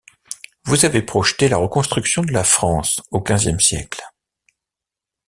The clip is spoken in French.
Vous avez projeté la reconstruction de la France au quinzième siècle.